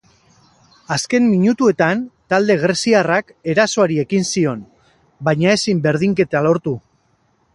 Azken minutuetan talde greziarrak erasoari ekin zion, baina ezin berdinketa lortu.